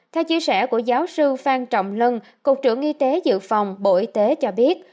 theo chia sẻ của giáo sư phan trọng lân cục trưởng y tế dự phòng bộ y tế cho biết